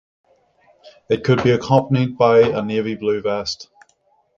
It could be accompanied by a navy blue vest.